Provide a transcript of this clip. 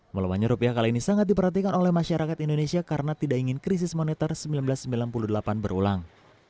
melemahnya rupiah kali ini sangat diperhatikan oleh masyarakat indonesia karena tidak ingin krisis moneter seribu sembilan ratus sembilan puluh delapan berulang